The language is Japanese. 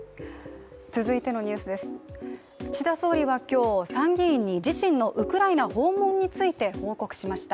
岸田総理は今日、参議院に自身のウクライナ訪問について報告しました。